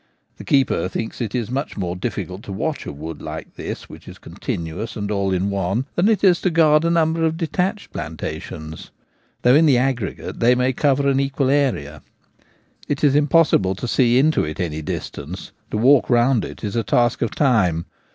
The keeper thinks it much more difficult to watch a wood like this, which is continuous and all in one, than it is to guard a number of detached plantations, though in the aggregate they may cover an equal area. It is impossible to see into it any distance ; to walk round it is a task of time.